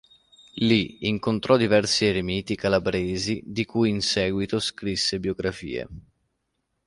Lì incontrò diversi eremiti calabresi di cui in seguito scrisse biografie.